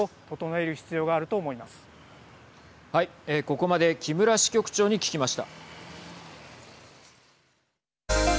ここまで木村支局長に聞きました。